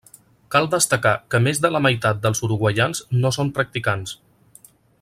Cal destacar que més de la meitat dels uruguaians no són practicants.